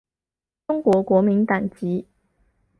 中国国民党籍。